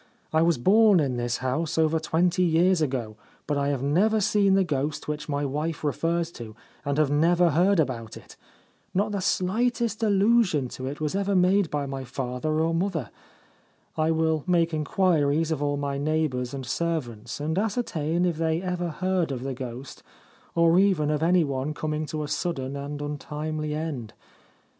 I was born in this house over twenty years ago ; but I have never seen the ghost which my wife refers to, and have never heard about it. Not the slightest allusion to it was ever made by my father or mother. I will make inquiries of all my neighbours and servants, and ascertain if they ever heard of the ghost, or even of any one coming to a sudden and untimely end.